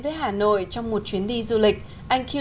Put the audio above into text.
vì vậy các bạn có kế hoạch gì